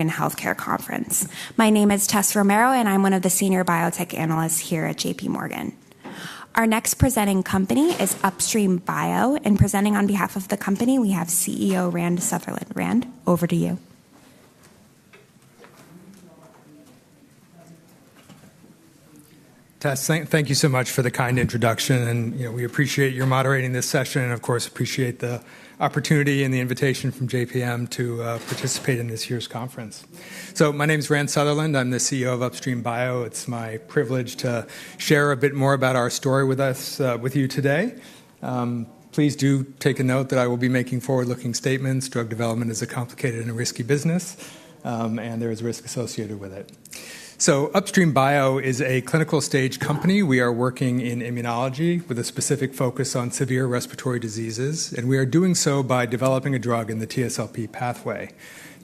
Morgan Healthcare Conference. My name is Tess Romero, and I'm one of the Senior Biotech Analysts here at JPMorgan. Our next presenting company is Upstream Bio, and presenting on behalf of the company, we have CEO Rand Sutherland. Rand, over to you. Tess, thank you so much for the kind introduction, and we appreciate your moderating this session, and of course, appreciate the opportunity and the invitation from JPM to participate in this year's conference, so my name is Rand Sutherland. I'm the CEO of Upstream Bio. It's my privilege to share a bit more about our story with you today. Please do take a note that I will be making forward-looking statements. Drug development is a complicated and risky business, and there is risk associated with it, so Upstream Bio is a clinical stage company. We are working in immunology with a specific focus on severe respiratory diseases, and we are doing so by developing a drug in the TSLP pathway.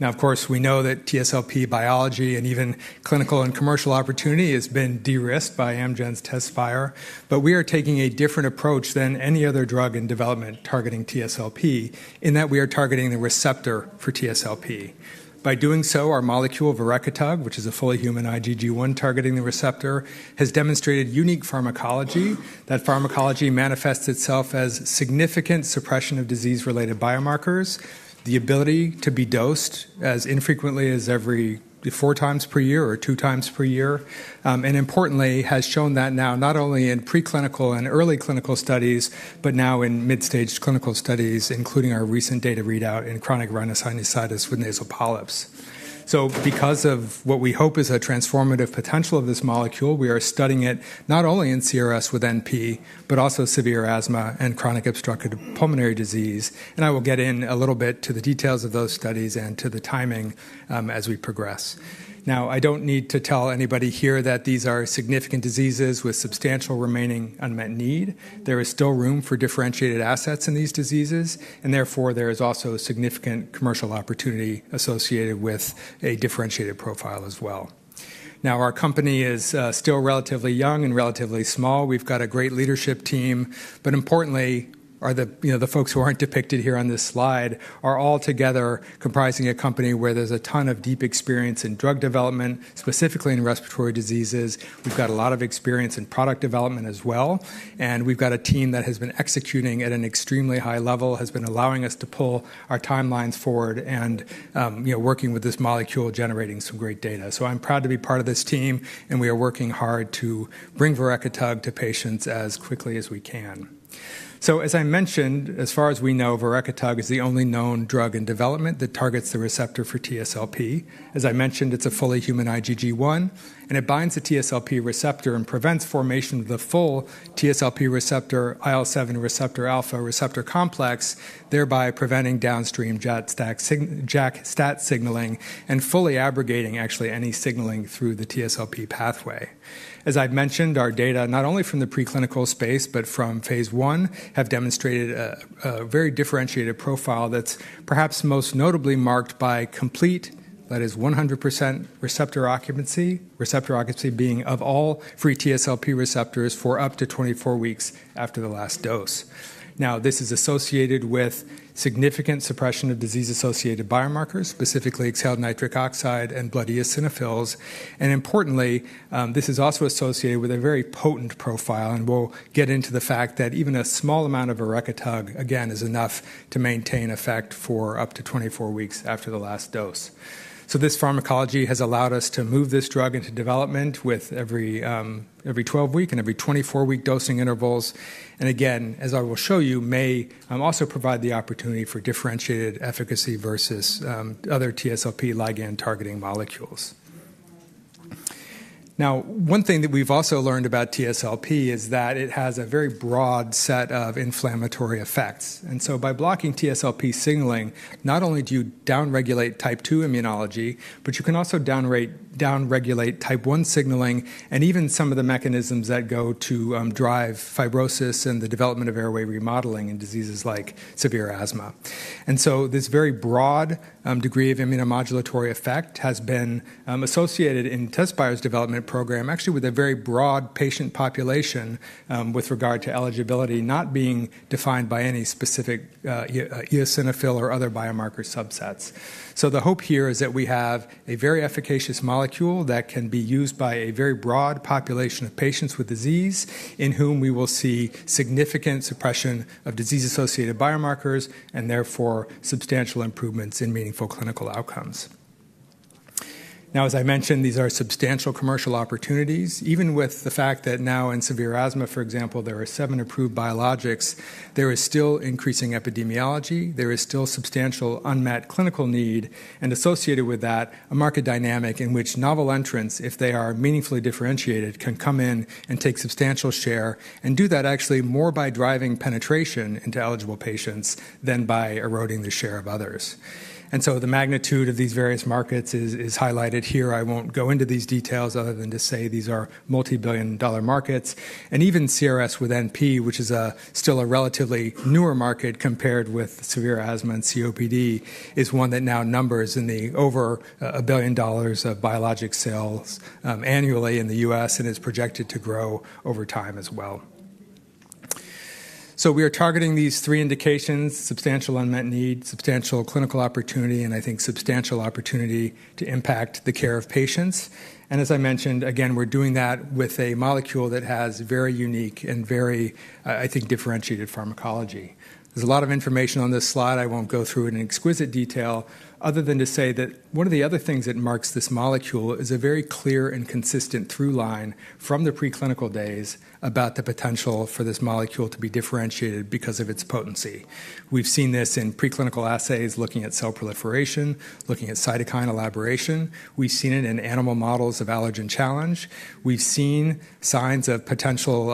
Now, of course, we know that TSLP biology and even clinical and commercial opportunity has been de-risked by Amgen's Tezspire, but we are taking a different approach than any other drug in development targeting TSLP in that we are targeting the receptor for TSLP. By doing so, our molecule verekitug, which is a fully human IgG1 targeting the receptor, has demonstrated unique pharmacology. That pharmacology manifests itself as significant suppression of disease-related biomarkers, the ability to be dosed as infrequently as every four times per year or two times per year, and importantly, has shown that now not only in preclinical and early clinical studies, but now in mid-stage clinical studies, including our recent data readout in chronic rhinosinusitis with nasal polyps. So because of what we hope is a transformative potential of this molecule, we are studying it not only in CRS with NP, but also severe asthma and chronic obstructive pulmonary disease. And I will get in a little bit to the details of those studies and to the timing as we progress. Now, I don't need to tell anybody here that these are significant diseases with substantial remaining unmet need. There is still room for differentiated assets in these diseases, and therefore there is also significant commercial opportunity associated with a differentiated profile as well. Now, our company is still relatively young and relatively small. We've got a great leadership team, but importantly, the folks who aren't depicted here on this slide are all together comprising a company where there's a ton of deep experience in drug development, specifically in respiratory diseases. We've got a lot of experience in product development as well, and we've got a team that has been executing at an extremely high level, has been allowing us to pull our timelines forward and working with this molecule, generating some great data. So I'm proud to be part of this team, and we are working hard to bring verekitug to patients as quickly as we can. So as I mentioned, as far as we know, verekitug is the only known drug in development that targets the receptor for TSLP. As I mentioned, it's a fully human IgG1, and it binds the TSLP receptor and prevents formation of the full TSLP receptor, IL-7 receptor alpha receptor complex, thereby preventing downstream JAK-STAT signaling and fully abrogating actually any signaling through the TSLP pathway. As I've mentioned, our data not only from the preclinical space, but from phase I have demonstrated a very differentiated profile that's perhaps most notably marked by complete, that is, 100% receptor occupancy, receptor occupancy being of all free TSLP receptors for up to 24 weeks after the last dose. Now, this is associated with significant suppression of disease-associated biomarkers, specifically exhaled nitric oxide and blood eosinophils. And importantly, this is also associated with a very potent profile, and we'll get into the fact that even a small amount of verekitug, again, is enough to maintain effect for up to 24 weeks after the last dose. So this pharmacology has allowed us to move this drug into development with every 12-week and every 24-week dosing intervals. And again, as I will show you, may also provide the opportunity for differentiated efficacy versus other TSLP ligand-targeting molecules. Now, one thing that we've also learned about TSLP is that it has a very broad set of inflammatory effects. And so by blocking TSLP signaling, not only do you downregulate Type 2 immunology, but you can also downregulate Type 1 signaling and even some of the mechanisms that go to drive fibrosis and the development of airway remodeling in diseases like severe asthma. And so this very broad degree of immunomodulatory effect has been associated in Tezspire's development program, actually with a very broad patient population with regard to eligibility not being defined by any specific eosinophil or other biomarker subsets. So the hope here is that we have a very efficacious molecule that can be used by a very broad population of patients with disease in whom we will see significant suppression of disease-associated biomarkers and therefore substantial improvements in meaningful clinical outcomes. Now, as I mentioned, these are substantial commercial opportunities, even with the fact that now in severe asthma, for example, there are seven approved biologics, there is still increasing epidemiology, there is still substantial unmet clinical need, and associated with that, a market dynamic in which novel entrants, if they are meaningfully differentiated, can come in and take substantial share and do that actually more by driving penetration into eligible patients than by eroding the share of others, and so the magnitude of these various markets is highlighted here. I won't go into these details other than to say these are multi-billion-dollar markets, and even CRS with NP, which is still a relatively newer market compared with severe asthma and COPD, is one that now numbers in the over $1 billion of biologic sales annually in the U.S. and is projected to grow over time as well. We are targeting these three indications: substantial unmet need, substantial clinical opportunity, and I think substantial opportunity to impact the care of patients. And as I mentioned, again, we're doing that with a molecule that has very unique and very, I think, differentiated pharmacology. There's a lot of information on this slide. I won't go through it in exquisite detail other than to say that one of the other things that marks this molecule is a very clear and consistent through line from the preclinical days about the potential for this molecule to be differentiated because of its potency. We've seen this in preclinical assays looking at cell proliferation, looking at cytokine elaboration. We've seen it in animal models of allergen challenge. We've seen signs of potential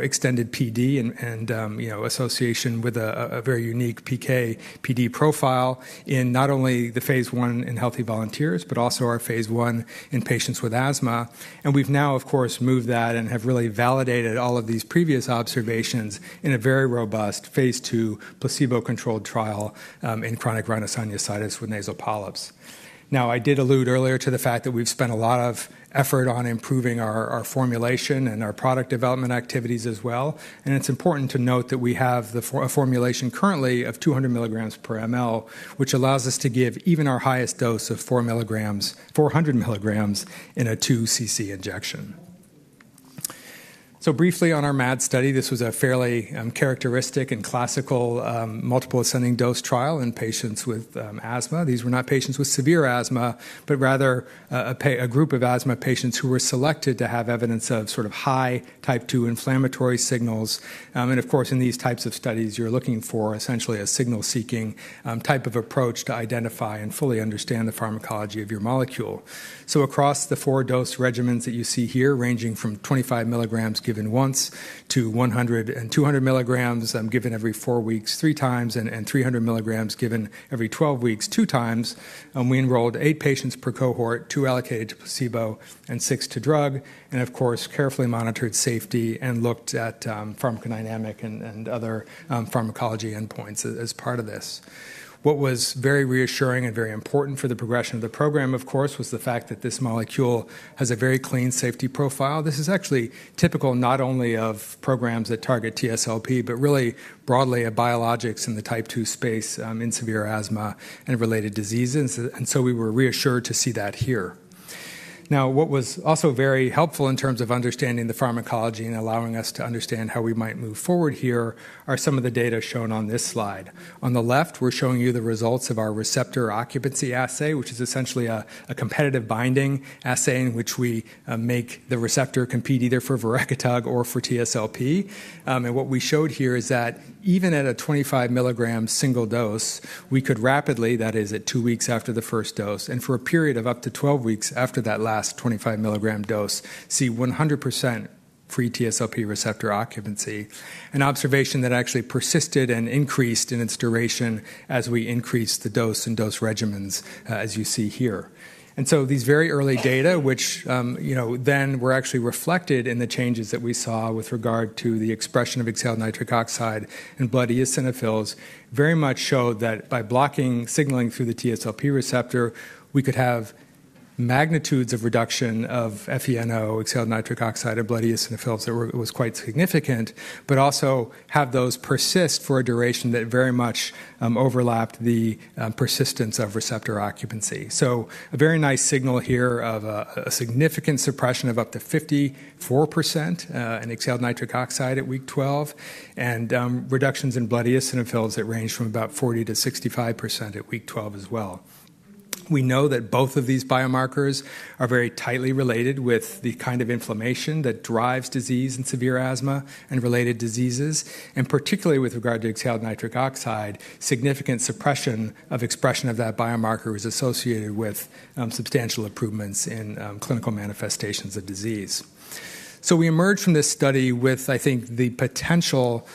extended PD and association with a very unique PK/PD profile in not only the phase I in healthy volunteers, but also our phase I in patients with asthma, and we've now, of course, moved that and have really validated all of these previous observations in a very robust phase II placebo-controlled trial in chronic rhinosinusitis with nasal polyps. Now, I did allude earlier to the fact that we've spent a lot of effort on improving our formulation and our product development activities as well, and it's important to note that we have a formulation currently of 200 mg per mL, which allows us to give even our highest dose of 400 mg in a 2 cc injection, so briefly on our MAD study, this was a fairly characteristic and classical multiple ascending dose trial in patients with asthma. These were not patients with severe asthma, but rather a group of asthma patients who were selected to have evidence of sort of high Type 2 inflammatory signals, and of course, in these types of studies, you're looking for essentially a signal-seeking type of approach to identify and fully understand the pharmacology of your molecule, so across the four dose regimens that you see here, ranging from 25 mg given once to 200 mg given every four weeks, three times, and 300 mg given every 12 weeks, two times, we enrolled eight patients per cohort, two allocated to placebo and six to drug, and of course, carefully monitored safety and looked at pharmacodynamic and other pharmacology endpoints as part of this. What was very reassuring and very important for the progression of the program, of course, was the fact that this molecule has a very clean safety profile. This is actually typical not only of programs that target TSLP, but really broadly of biologics in the Type 2 space in severe asthma and related diseases, and so we were reassured to see that here. Now, what was also very helpful in terms of understanding the pharmacology and allowing us to understand how we might move forward here are some of the data shown on this slide. On the left, we're showing you the results of our receptor occupancy assay, which is essentially a competitive binding assay in which we make the receptor compete either for verekitug or for TSLP. What we showed here is that even at a 25 milligram single dose, we could rapidly, that is, at two weeks after the first dose and for a period of up to 12 weeks after that last 25 milligram dose, see 100% free TSLP receptor occupancy, an observation that actually persisted and increased in its duration as we increased the dose and dose regimens as you see here. So these very early data, which then were actually reflected in the changes that we saw with regard to the expression of exhaled nitric oxide and blood eosinophils, very much showed that by blocking signaling through the TSLP receptor, we could have magnitudes of reduction of FeNO, exhaled nitric oxide and blood eosinophils that was quite significant, but also have those persist for a duration that very much overlapped the persistence of receptor occupancy. A very nice signal here of a significant suppression of up to 54% in exhaled nitric oxide at week 12 and reductions in blood eosinophils that ranged from about 40%-65% at week 12 as well. We know that both of these biomarkers are very tightly related with the kind of inflammation that drives disease in severe asthma and related diseases. And particularly with regard to exhaled nitric oxide, significant suppression of expression of that biomarker was associated with substantial improvements in clinical manifestations of disease. So we emerged from this study with, I think, the potential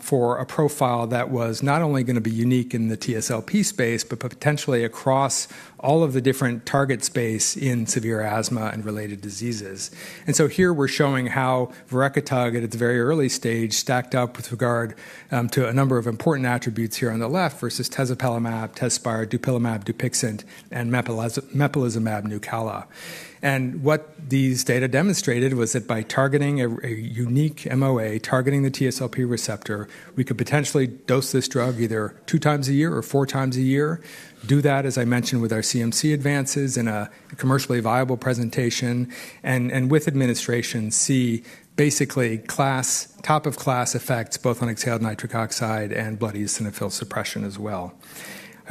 for a profile that was not only going to be unique in the TSLP space, but potentially across all of the different target space in severe asthma and related diseases. And so here we're showing how verekitug at its very early stage stacked up with regard to a number of important attributes here on the left versus tezepelumab, Tezspire, dupilumab, Dupixent, and mepolizumab, Nucala. And what these data demonstrated was that by targeting a unique MOA, targeting the TSLP receptor, we could potentially dose this drug either two times a year or four times a year, do that, as I mentioned, with our CMC advances in a commercially viable presentation, and with administration see basically class, top of class effects both on exhaled nitric oxide and blood eosinophil suppression as well.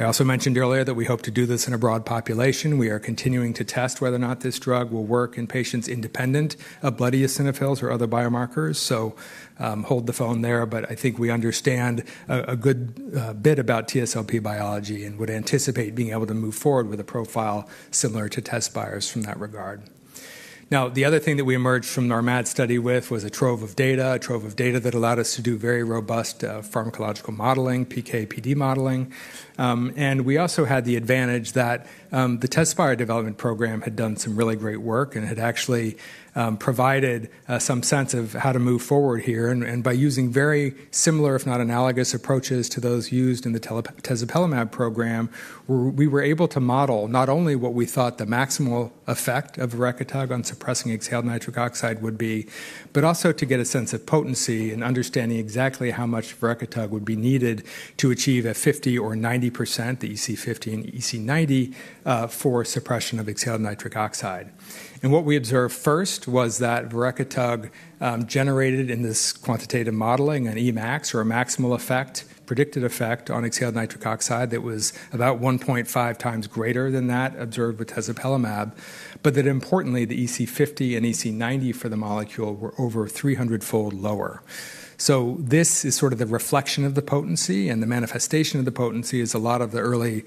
I also mentioned earlier that we hope to do this in a broad population. We are continuing to test whether or not this drug will work in patients independent of blood eosinophils or other biomarkers. So hold the phone there, but I think we understand a good bit about TSLP biology and would anticipate being able to move forward with a profile similar to Tezspire's from that regard. Now, the other thing that we emerged from our MAD study with was a trove of data, a trove of data that allowed us to do very robust pharmacological modeling, PK/PD modeling. And we also had the advantage that the Tezspire development program had done some really great work and had actually provided some sense of how to move forward here. By using very similar, if not analogous approaches to those used in the tezepelumab program, we were able to model not only what we thought the maximal effect of verekitug on suppressing exhaled nitric oxide would be, but also to get a sense of potency and understanding exactly how much verekitug would be needed to achieve a 50% or 90%, the EC50 and EC90 for suppression of exhaled nitric oxide. What we observed first was that verekitug generated in this quantitative modeling an Emax or a maximal effect, predicted effect on exhaled nitric oxide that was about 1.5 times greater than that observed with tezepelumab, but that importantly, the EC50 and EC90 for the molecule were over 300-fold lower. This is sort of the reflection of the potency and the manifestation of the potency is a lot of the early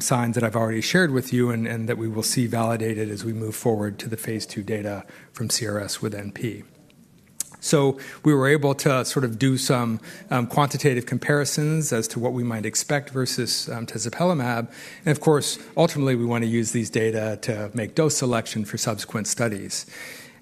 signs that I've already shared with you and that we will see validated as we move forward to the phase II data from CRS with NP. So we were able to sort of do some quantitative comparisons as to what we might expect versus tezepelumab. And of course, ultimately, we want to use these data to make dose selection for subsequent studies.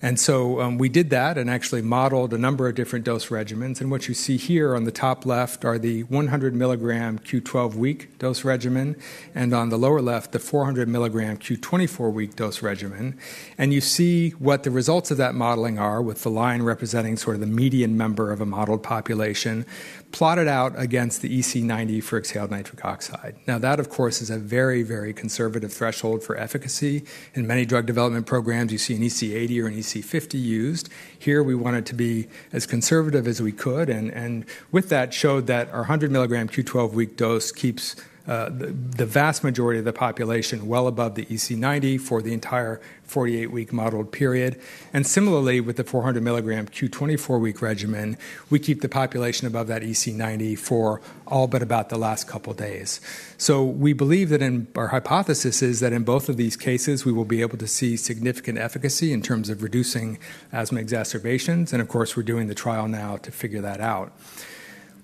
And so we did that and actually modeled a number of different dose regimens. And what you see here on the top left are the 100-milligram Q12-week dose regimen and on the lower left, the 400-milligram Q24-week dose regimen. You see what the results of that modeling are with the line representing sort of the median member of a modeled population plotted out against the EC90 for exhaled nitric oxide. Now, that of course is a very, very conservative threshold for efficacy. In many drug development programs, you see an EC80 or an EC50 used. Here we wanted to be as conservative as we could and with that showed that our 100-milligram Q12-week dose keeps the vast majority of the population well above the EC90 for the entire 48-week modeled period. Similarly, with the 400-milligram Q24-week regimen, we keep the population above that EC90 for all but about the last couple of days. We believe that in our hypothesis is that in both of these cases, we will be able to see significant efficacy in terms of reducing asthma exacerbations. Of course, we're doing the trial now to figure that out.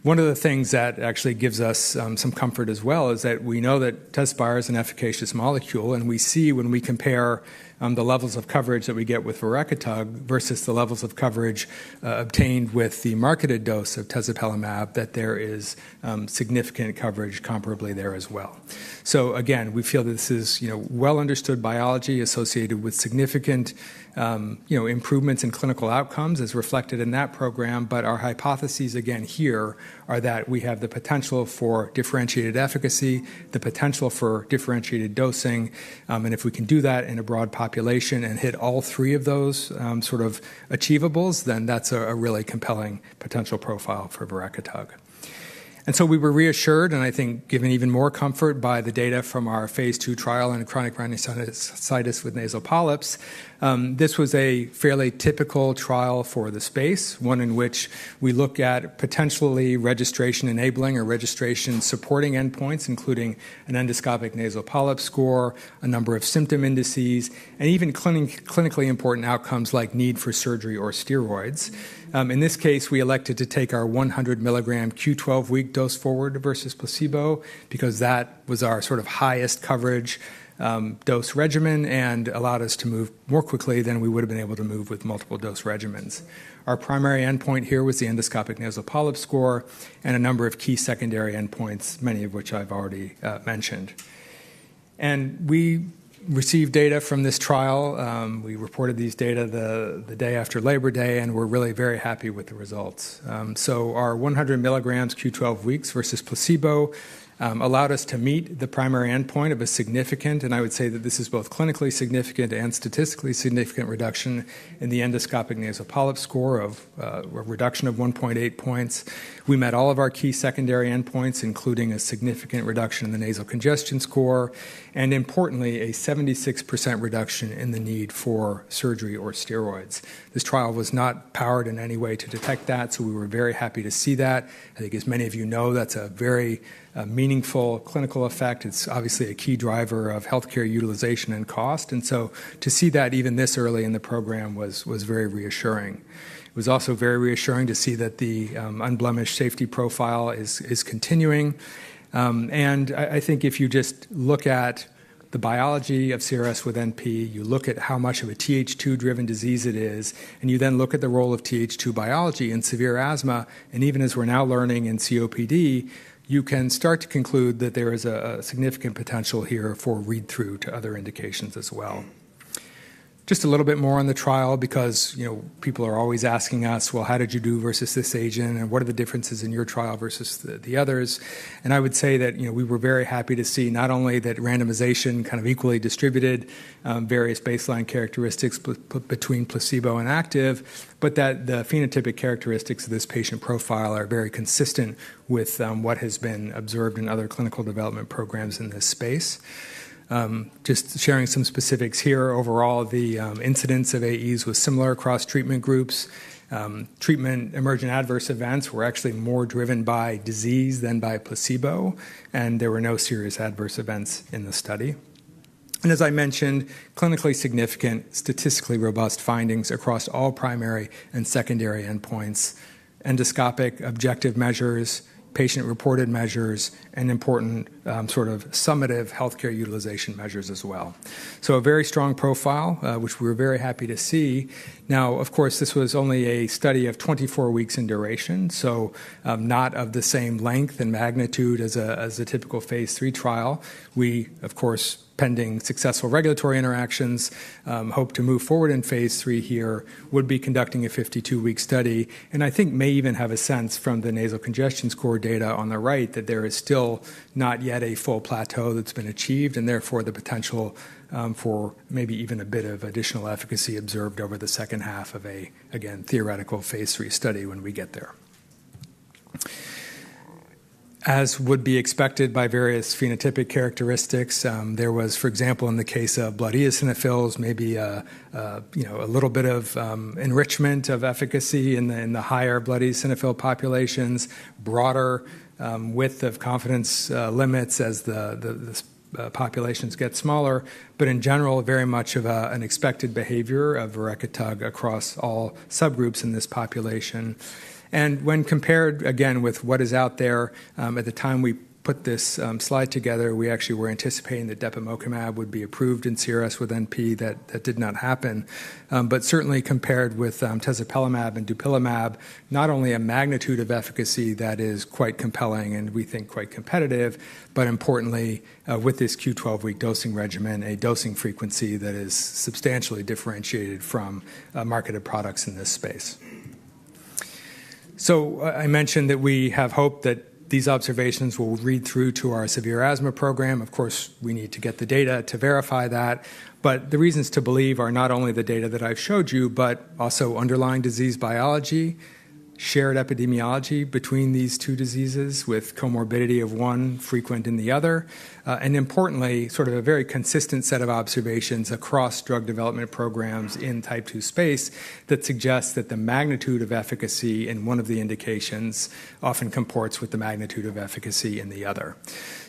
One of the things that actually gives us some comfort as well is that we know that Tezspire is an efficacious molecule and we see when we compare the levels of coverage that we get with verekitug versus the levels of coverage obtained with the marketed dose of tezepelumab that there is significant coverage comparably there as well. So again, we feel that this is well-understood biology associated with significant improvements in clinical outcomes as reflected in that program. But our hypotheses again here are that we have the potential for differentiated efficacy, the potential for differentiated dosing. And if we can do that in a broad population and hit all three of those sort of achievables, then that's a really compelling potential profile for verekitug. And so we were reassured and I think given even more comfort by the data from our phase two trial in chronic rhinosinusitis with nasal polyps. This was a fairly typical trial for the space, one in which we look at potentially registration enabling or registration supporting endpoints, including an endoscopic nasal polyp score, a number of symptom indices, and even clinically important outcomes like need for surgery or steroids. In this case, we elected to take our 100 milligram Q12 week dose forward versus placebo because that was our sort of highest coverage dose regimen and allowed us to move more quickly than we would have been able to move with multiple dose regimens. Our primary endpoint here was the endoscopic nasal polyp score and a number of key secondary endpoints, many of which I've already mentioned. And we received data from this trial. We reported these data the day after Labor Day and we're really very happy with the results. So our 100 mg Q12 weeks versus placebo allowed us to meet the primary endpoint of a significant, and I would say that this is both clinically significant and statistically significant reduction in the endoscopic nasal polyp score of a reduction of 1.8 points. We met all of our key secondary endpoints, including a significant reduction in the nasal congestion score and importantly, a 76% reduction in the need for surgery or steroids. This trial was not powered in any way to detect that, so we were very happy to see that. I think as many of you know, that's a very meaningful clinical effect. It's obviously a key driver of healthcare utilization and cost. And so to see that even this early in the program was very reassuring. It was also very reassuring to see that the unblemished safety profile is continuing. And I think if you just look at the biology of CRS with NP, you look at how much of a Th2-driven disease it is, and you then look at the role of Th2 biology in severe asthma. And even as we're now learning in COPD, you can start to conclude that there is a significant potential here for read-through to other indications as well. Just a little bit more on the trial because people are always asking us, "Well, how did you do versus this agent? And what are the differences in your trial versus the others?" And I would say that we were very happy to see not only that randomization kind of equally distributed various baseline characteristics between placebo and active, but that the phenotypic characteristics of this patient profile are very consistent with what has been observed in other clinical development programs in this space. Just sharing some specifics here, overall, the incidence of AEs was similar across treatment groups. Treatment emergent adverse events were actually more driven by disease than by placebo, and there were no serious adverse events in the study. And as I mentioned, clinically significant, statistically robust findings across all primary and secondary endpoints, endoscopic objective measures, patient-reported measures, and important sort of summative healthcare utilization measures as well. So a very strong profile, which we were very happy to see. Now, of course, this was only a study of 24 weeks in duration, so not of the same length and magnitude as a typical phase III trial. We, of course, pending successful regulatory interactions, hope to move forward phase III here and would be conducting a 52-week study, and I think we may even have a sense from the nasal congestion score data on the right that there is still not yet a full plateau that's been achieved and therefore the potential for maybe even a bit of additional efficacy observed over the second half of a, again, theoretical phase III study when we get there. As would be expected by various phenotypic characteristics, there was, for example, in the case of blood eosinophils, maybe a little bit of enrichment of efficacy in the higher blood eosinophil populations, broader width of confidence limits as the populations get smaller, but in general, very much of an expected behavior of verekitug across all subgroups in this population. And when compared, again, with what is out there, at the time we put this slide together, we actually were anticipating that depemokimab would be approved in CRS with NP, that did not happen. But certainly compared with tezepelumab and dupilumab, not only a magnitude of efficacy that is quite compelling and we think quite competitive, but importantly, with this Q12 week dosing regimen, a dosing frequency that is substantially differentiated from marketed products in this space. So I mentioned that we have hope that these observations will read through to our severe asthma program. Of course, we need to get the data to verify that. But the reasons to believe are not only the data that I've showed you, but also underlying disease biology, shared epidemiology between these two diseases with comorbidity of one frequent in the other, and importantly, sort of a very consistent set of observations across drug development programs in Type 2 space that suggests that the magnitude of efficacy in one of the indications often comports with the magnitude of efficacy in the other.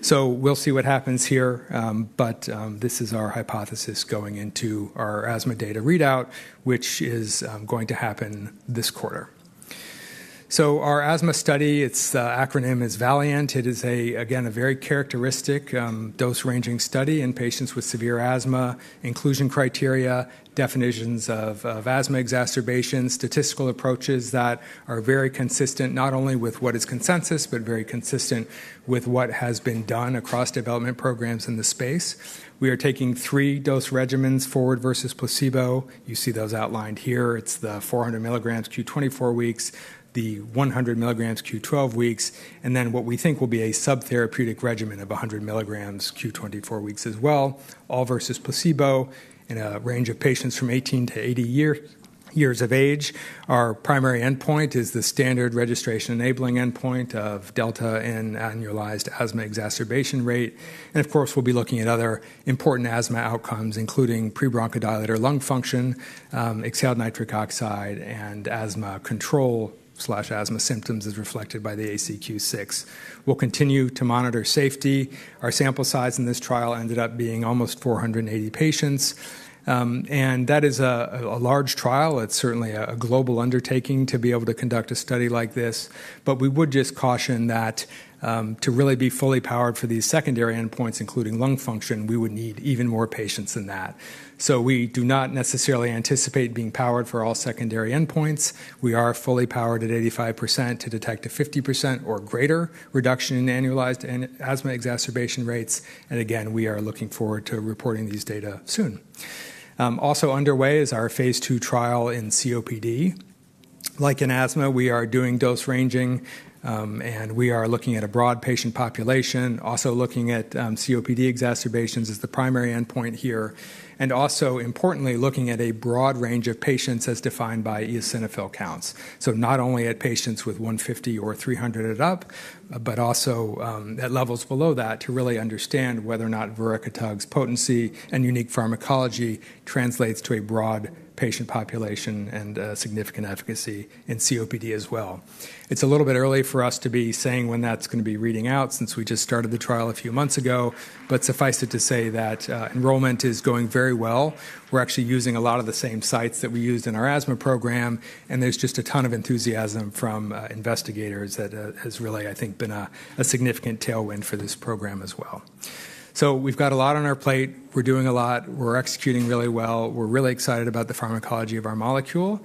So we'll see what happens here, but this is our hypothesis going into our asthma data readout, which is going to happen this quarter. So our asthma study, its acronym is Valiant. It is, again, a very characteristic dose-ranging study in patients with severe asthma, inclusion criteria, definitions of asthma exacerbation, statistical approaches that are very consistent not only with what is consensus, but very consistent with what has been done across development programs in the space. We are taking three dose regimens forward versus placebo. You see those outlined here. It's the 400 mg Q24 weeks, the 100 mg Q12 weeks, and then what we think will be a subtherapeutic regimen of 100 mg Q24 weeks as well, all versus placebo in a range of patients from 18-80 years of age. Our primary endpoint is the standard registration enabling endpoint of delta and annualized asthma exacerbation rate, and of course, we'll be looking at other important asthma outcomes, including pre-bronchodilator lung function, exhaled nitric oxide, and asthma control/asthma symptoms as reflected by the ACQ-6. We'll continue to monitor safety. Our sample size in this trial ended up being almost 480 patients and that is a large trial. It's certainly a global undertaking to be able to conduct a study like this, but we would just caution that to really be fully powered for these secondary endpoints, including lung function, we would need even more patients than that, so we do not necessarily anticipate being powered for all secondary endpoints. We are fully powered at 85% to detect a 50% or greater reduction in annualized asthma exacerbation rates and again, we are looking forward to reporting these data soon. Also underway is our phase II trial in COPD. Like in asthma, we are doing dose ranging and we are looking at a broad patient population. Also looking at COPD exacerbations as the primary endpoint here and also importantly, looking at a broad range of patients as defined by eosinophil counts. So not only at patients with 150 or 300 and up, but also at levels below that to really understand whether or not verekitug's potency and unique pharmacology translates to a broad patient population and significant efficacy in COPD as well. It's a little bit early for us to be saying when that's going to be reading out since we just started the trial a few months ago, but suffice it to say that enrollment is going very well. We're actually using a lot of the same sites that we used in our asthma program, and there's just a ton of enthusiasm from investigators that has really, I think, been a significant tailwind for this program as well. So we've got a lot on our plate. We're doing a lot. We're executing really well. We're really excited about the pharmacology of our molecule.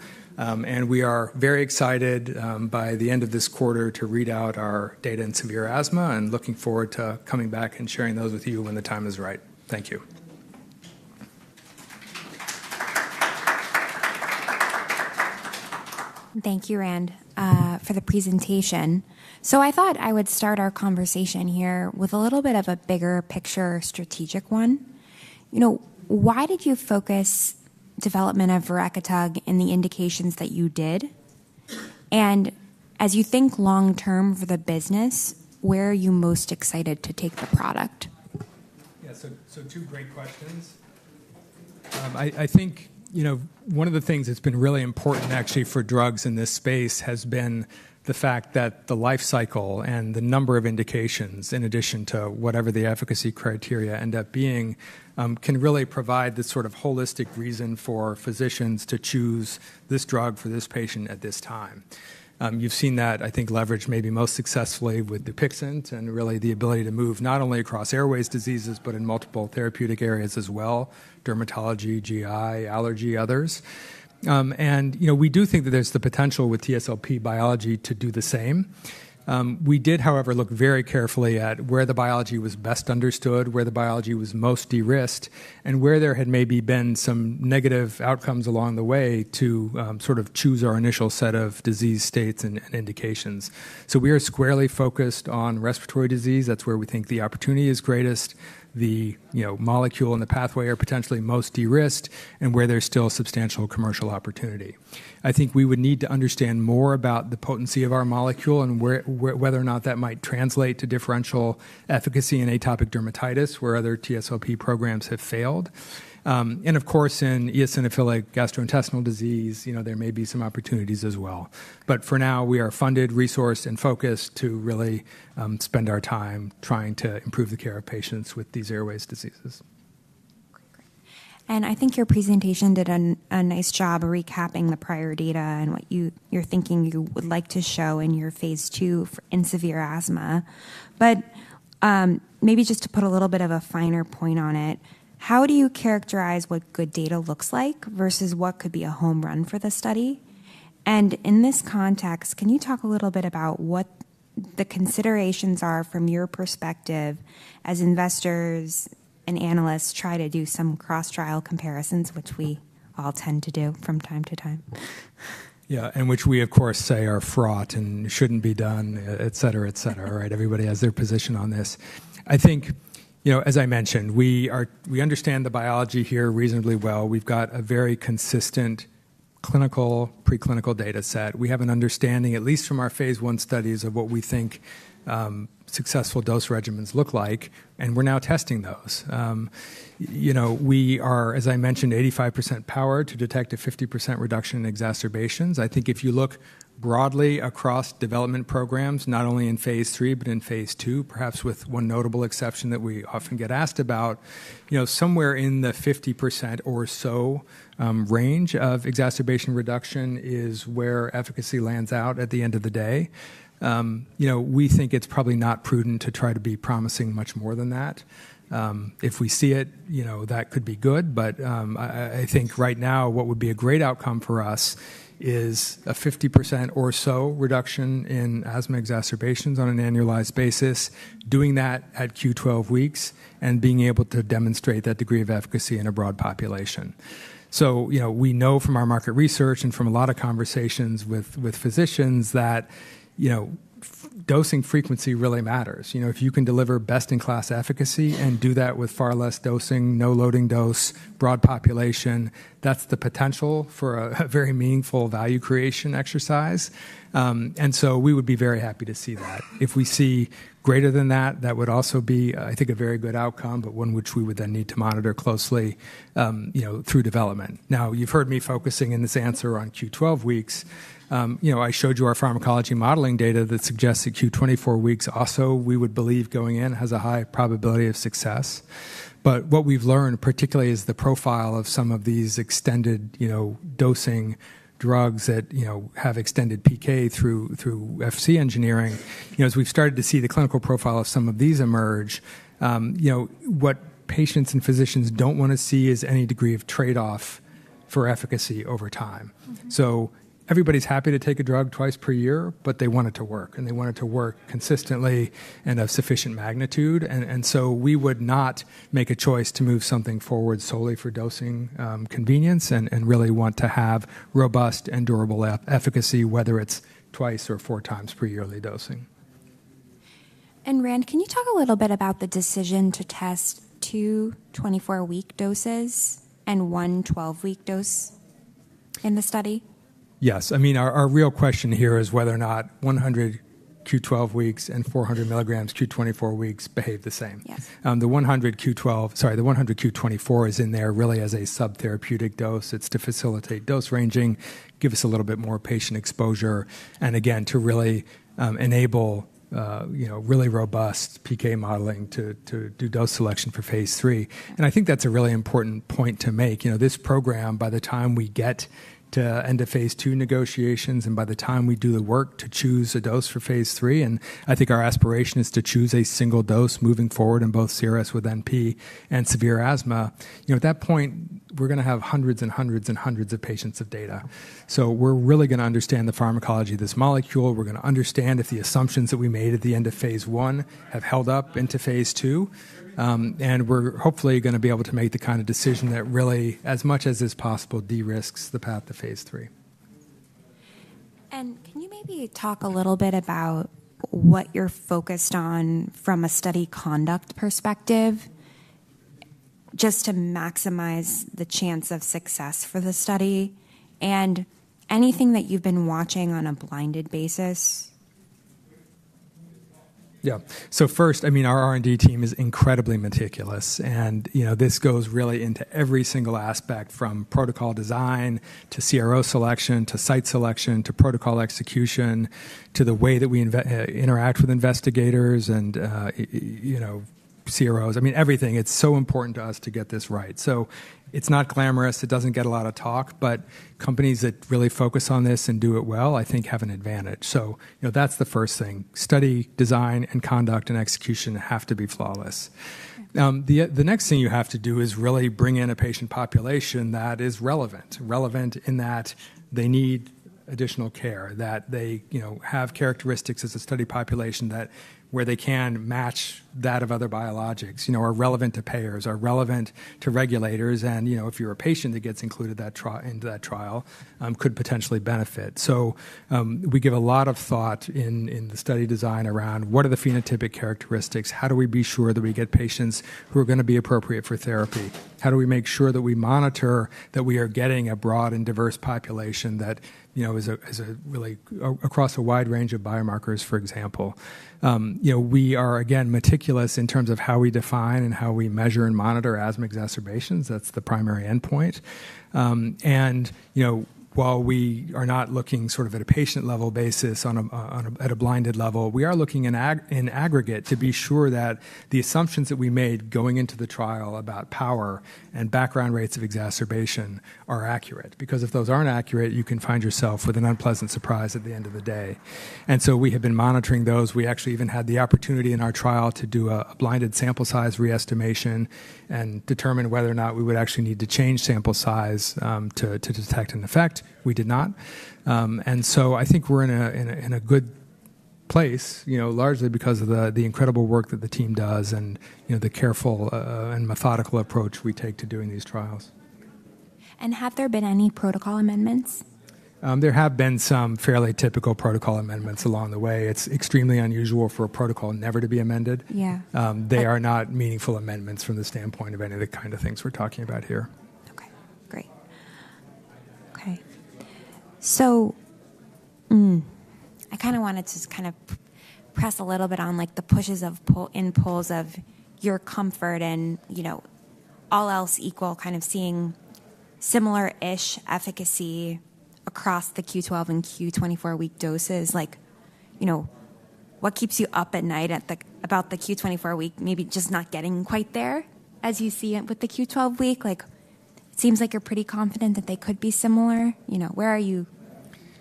We are very excited by the end of this quarter to read out our data in severe asthma and looking forward to coming back and sharing those with you when the time is right. Thank you. Thank you, Rand, for the presentation. So I thought I would start our conversation here with a little bit of a bigger picture, strategic one. Why did you focus development of verekitug in the indications that you did? And as you think long term for the business, where are you most excited to take the product? Yeah, so two great questions. I think one of the things that's been really important actually for drugs in this space has been the fact that the life cycle and the number of indications in addition to whatever the efficacy criteria end up being can really provide the sort of holistic reason for physicians to choose this drug for this patient at this time. You've seen that, I think, leveraged maybe most successfully with Dupixent and really the ability to move not only across airways diseases, but in multiple therapeutic areas as well: dermatology, GI, allergy, others, and we do think that there's the potential with TSLP biology to do the same. We did, however, look very carefully at where the biology was best understood, where the biology was most de-risked, and where there had maybe been some negative outcomes along the way to sort of choose our initial set of disease states and indications. We are squarely focused on respiratory disease. That's where we think the opportunity is greatest. The molecule and the pathway are potentially most de-risked and where there's still substantial commercial opportunity. I think we would need to understand more about the potency of our molecule and whether or not that might translate to differential efficacy in atopic dermatitis where other TSLP programs have failed. Of course, in eosinophilic gastrointestinal disease, there may be some opportunities as well. For now, we are funded, resourced, and focused to really spend our time trying to improve the care of patients with these airways diseases. I think your presentation did a nice job recapping the prior data and what you're thinking you would like to show in your phase two in severe asthma. But maybe just to put a little bit of a finer point on it, how do you characterize what good data looks like versus what could be a home run for the study? And in this context, can you talk a little bit about what the considerations are from your perspective as investors and analysts try to do some cross-trial comparisons, which we all tend to do from time to time? Yeah, and which we, of course, say are fraught and shouldn't be done, et cetera, et cetera. Everybody has their position on this. I think, as I mentioned, we understand the biology here reasonably well. We've got a very consistent clinical, preclinical data set. We have an understanding, at least from our phase one studies, of what we think successful dose regimens look like, and we're now testing those. We are, as I mentioned, 85% powered to detect a 50% reduction in exacerbations. I think if you look broadly across development programs, not only in phase III, but in phase II, perhaps with one notable exception that we often get asked about, somewhere in the 50% or so range of exacerbation reduction is where efficacy lands out at the end of the day. We think it's probably not prudent to try to be promising much more than that. If we see it, that could be good. But I think right now, what would be a great outcome for us is a 50% or so reduction in asthma exacerbations on an annualized basis, doing that at Q12 weeks and being able to demonstrate that degree of efficacy in a broad population. So we know from our market research and from a lot of conversations with physicians that dosing frequency really matters. If you can deliver best-in-class efficacy and do that with far less dosing, no loading dose, broad population, that's the potential for a very meaningful value creation exercise. And so we would be very happy to see that. If we see greater than that, that would also be, I think, a very good outcome, but one which we would then need to monitor closely through development. Now, you've heard me focusing in this answer on Q12 weeks. I showed you our pharmacology modeling data that suggests that Q24 weeks also we would believe going in has a high probability of success. But what we've learned particularly is the profile of some of these extended dosing drugs that have extended PK through Fc engineering. As we've started to see the clinical profile of some of these emerge, what patients and physicians don't want to see is any degree of trade-off for efficacy over time. So everybody's happy to take a drug twice per year, but they want it to work, and they want it to work consistently and of sufficient magnitude. And so we would not make a choice to move something forward solely for dosing convenience and really want to have robust and durable efficacy, whether it's twice or four times per yearly dosing. And Rand, can you talk a little bit about the decision to test two 24-week doses and one 12-week dose in the study? Yes. I mean, our real question here is whether or not 100 Q12 weeks and 400 mg Q24 weeks behave the same. The 100 Q12, sorry, the 100 Q24 is in there really as a subtherapeutic dose. It's to facilitate dose ranging, give us a little bit more patient exposure, and again, to really enable really robust PK modeling to do dose selection for phase three, and I think that's a really important point to make. This program, by the time we get to end of phase two negotiations and by the time we do the work to choose a dose for phase three, and I think our aspiration is to choose a single dose moving forward in both CRS with NP and severe asthma, at that point, we're going to have hundreds and hundreds and hundreds of patients of data, so we're really going to understand the pharmacology of this molecule. We're going to understand if the assumptions that we made at the end of phase one have held up into phase two, and we're hopefully going to be able to make the kind of decision that really, as much as is possible, de-risk the path to phase three, and can you maybe talk a little bit about what you're focused on from a study conduct perspective just to maximize the chance of success for the study and anything that you've been watching on a blinded basis? Yeah, so first, I mean, our R&D team is incredibly meticulous. And this goes really into every single aspect from protocol design to CRO selection to site selection to protocol execution to the way that we interact with investigators and CROs. I mean, everything. It's so important to us to get this right, so it's not glamorous. It doesn't get a lot of talk. But companies that really focus on this and do it well, I think, have an advantage. So that's the first thing. Study design and conduct and execution have to be flawless. The next thing you have to do is really bring in a patient population that is relevant, relevant in that they need additional care, that they have characteristics as a study population where they can match that of other biologics, are relevant to payers, are relevant to regulators. And if you're a patient that gets included into that trial, could potentially benefit. So we give a lot of thought in the study design around what are the phenotypic characteristics? How do we be sure that we get patients who are going to be appropriate for therapy? How do we make sure that we monitor that we are getting a broad and diverse population that is really across a wide range of biomarkers, for example? We are, again, meticulous in terms of how we define and how we measure and monitor asthma exacerbations. That's the primary endpoint. And while we are not looking sort of at a patient-level basis at a blinded level, we are looking in aggregate to be sure that the assumptions that we made going into the trial about power and background rates of exacerbation are accurate. Because if those aren't accurate, you can find yourself with an unpleasant surprise at the end of the day. And so we have been monitoring those. We actually even had the opportunity in our trial to do a blinded sample size re-estimation and determine whether or not we would actually need to change sample size to detect an effect. We did not. And so I think we're in a good place, largely because of the incredible work that the team does and the careful and methodical approach we take to doing these trials. And have there been any protocol amendments? There have been some fairly typical protocol amendments along the way. It's extremely unusual for a protocol never to be amended. They are not meaningful amendments from the standpoint of any of the kind of things we're talking about here. Okay. Great. Okay. So I kind of wanted to just kind of press a little bit on the pushes and pulls of your comfort and all else equal, kind of seeing similar-ish efficacy across the Q12 and Q24 week doses. What keeps you up at night about the Q24 week, maybe just not getting quite there as you see it with the Q12 week? Seems like you're pretty confident that they could be similar. Where are you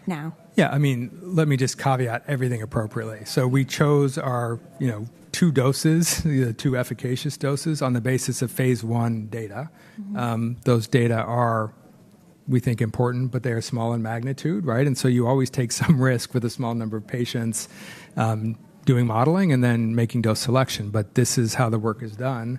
now? Yeah. I mean, let me just caveat everything appropriately. So we chose our two doses, the two efficacious doses, on the basis of phase one data. Those data are, we think, important, but they are small in magnitude. And so you always take some risk with a small number of patients doing modeling and then making dose selection. But this is how the work is done.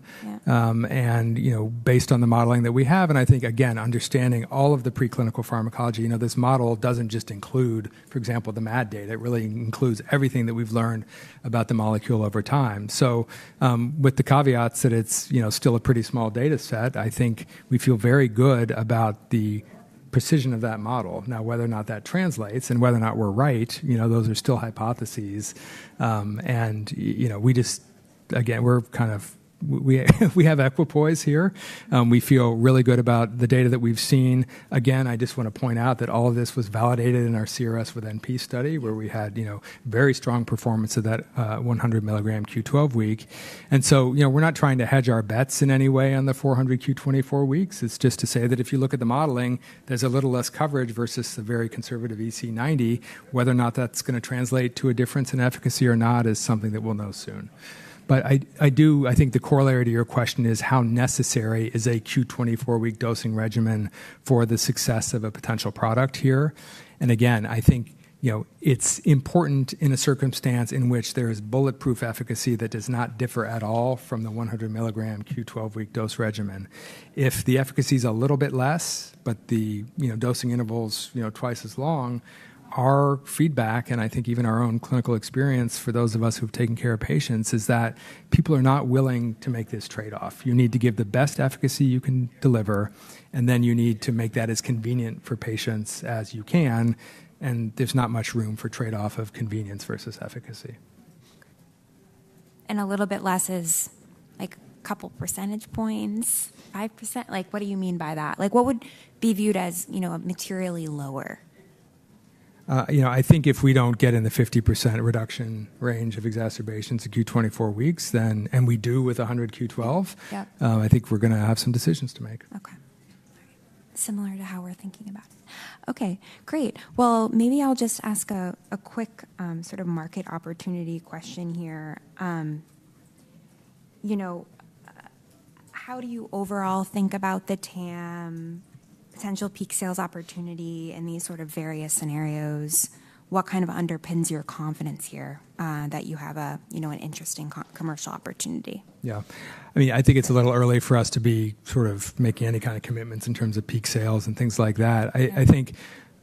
Based on the modeling that we have, and I think, again, understanding all of the preclinical pharmacology, this model doesn't just include, for example, the MAD data. It really includes everything that we've learned about the molecule over time. So with the caveats that it's still a pretty small data set, I think we feel very good about the precision of that model. Now, whether or not that translates and whether or not we're right, those are still hypotheses. And we just, again, we kind of have equipoise here. We feel really good about the data that we've seen. Again, I just want to point out that all of this was validated in our CRS with NP study, where we had very strong performance of that 100 milligram Q12 week. And so we're not trying to hedge our bets in any way on the 400 Q24 weeks. It's just to say that if you look at the modeling, there's a little less coverage versus the very conservative EC90. Whether or not that's going to translate to a difference in efficacy or not is something that we'll know soon, but I do, I think the corollary to your question is how necessary is a Q24 week dosing regimen for the success of a potential product here, and again, I think it's important in a circumstance in which there is bulletproof efficacy that does not differ at all from the 100 milligram Q12 week dose regimen. If the efficacy is a little bit less, but the dosing intervals twice as long, our feedback, and I think even our own clinical experience for those of us who have taken care of patients, is that people are not willing to make this trade-off. You need to give the best efficacy you can deliver, and then you need to make that as convenient for patients as you can, and there's not much room for trade-off of convenience versus efficacy. A little bit less is a couple percentage points. 5%? What do you mean by that? What would be viewed as materially lower? I think if we don't get in the 50% reduction range of exacerbations in Q24 weeks, and we do with 100 Q12, I think we're going to have some decisions to make. Okay. Similar to how we're thinking about it. Okay. Great. Well, maybe I'll just ask a quick sort of market opportunity question here. How do you overall think about the TAM potential peak sales opportunity in these sort of various scenarios? What kind of underpins your confidence here that you have an interesting commercial opportunity? Yeah. I mean, I think it's a little early for us to be sort of making any kind of commitments in terms of peak sales and things like that. I think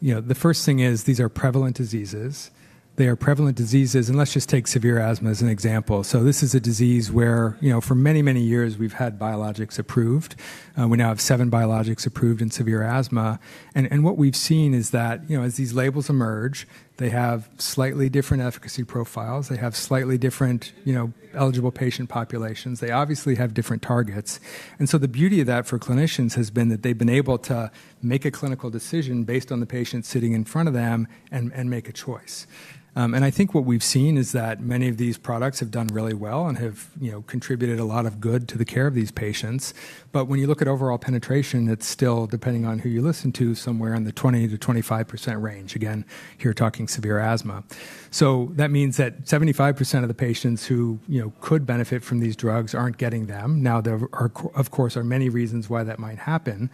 the first thing is these are prevalent diseases. They are prevalent diseases, and let's just take severe asthma as an example. So this is a disease where for many, many years, we've had biologics approved. We now have seven biologics approved in severe asthma. And what we've seen is that as these labels emerge, they have slightly different efficacy profiles. They have slightly different eligible patient populations. They obviously have different targets. And so the beauty of that for clinicians has been that they've been able to make a clinical decision based on the patient sitting in front of them and make a choice. I think what we've seen is that many of these products have done really well and have contributed a lot of good to the care of these patients. But when you look at overall penetration, it's still, depending on who you listen to, somewhere in the 20%-25% range. Again, here talking severe asthma. So that means that 75% of the patients who could benefit from these drugs aren't getting them. Now, there are, of course, many reasons why that might happen.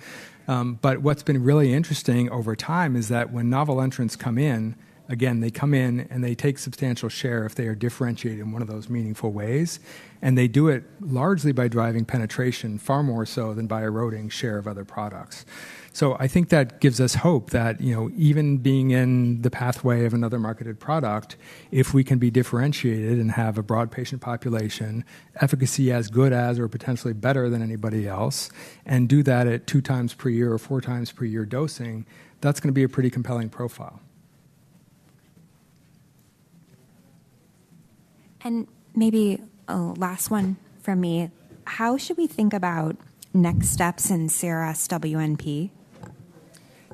But what's been really interesting over time is that when novel entrants come in, again, they come in and they take substantial share if they are differentiated in one of those meaningful ways. And they do it largely by driving penetration, far more so than by eroding share of other products. So I think that gives us hope that even being in the pathway of another marketed product, if we can be differentiated and have a broad patient population, efficacy as good as or potentially better than anybody else, and do that at two times per year or four times per year dosing, that's going to be a pretty compelling profile. And maybe a last one from me. How should we think about next steps in CRS with NP?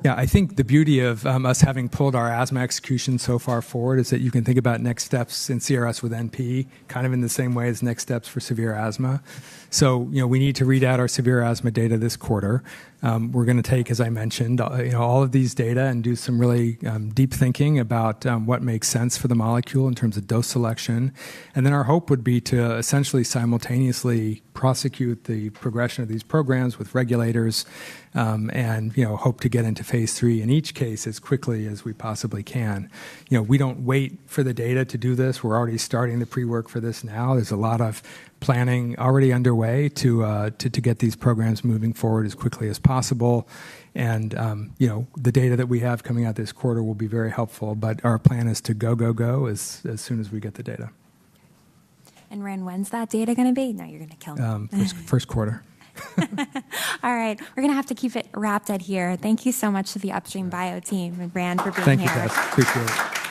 Yeah. I think the beauty of us having pulled our asthma execution so far forward is that you can think about next steps in CRS with NP kind of in the same way as next steps for severe asthma. So we need to read out our severe asthma data this quarter. We're going to take, as I mentioned, all of these data and do some really deep thinking about what makes sense for the molecule in terms of dose selection. And then our hope would be to essentially simultaneously prosecute the progression of these programs with regulators and hope to get into phase three in each case as quickly as we possibly can. We don't wait for the data to do this. We're already starting the pre-work for this now. There's a lot of planning already underway to get these programs moving forward as quickly as possible. And the data that we have coming out this quarter will be very helpful. But our plan is to go, go, go as soon as we get the data. And Rand, when's that data going to be? No, you're going to kill me. First quarter. All right. We're going to have to keep it wrapped up here. Thank you so much to the Upstream Bio team and Rand for being here. Thank you, guys. Appreciate it.